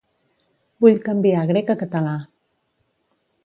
Vull canviar grec a català.